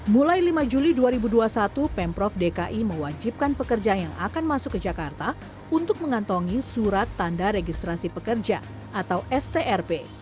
mulai lima juli dua ribu dua puluh satu pemprov dki mewajibkan pekerja yang akan masuk ke jakarta untuk mengantongi surat tanda registrasi pekerja atau strp